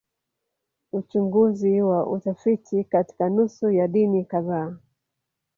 Uchunguzi wa utafiti katika nusu ya dini kadhaa